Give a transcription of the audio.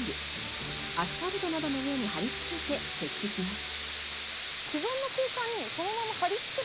アスファルトなどの上に貼り付けて設置します。